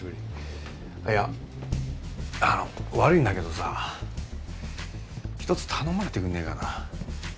いやあの悪いんだけどさひとつ頼まれてくれねえかな？